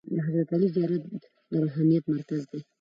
د حضرت علي زیارت د روحانیت مرکز دی.